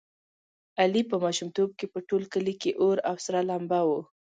علي په ماشومتوب کې په ټول کلي کې اور او سره لمبه و.